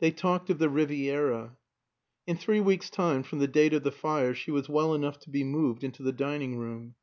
They talked of the Riviera. In three weeks' time from the date of the fire she was well enough to be moved into the dining room.